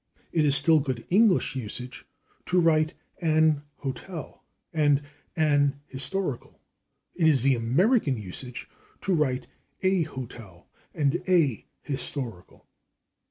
It is still good English usage to write /an hotel/ and /an historical/; it is the American usage to write /a hotel/ and /a historical